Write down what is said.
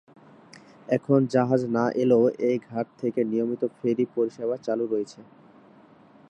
এখন জাহাজ না এলেও এই ঘাট থেকে নিয়মিত ফেরী পরিষেবা চালু রয়েছে।